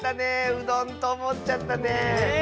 うどんとおもっちゃったね。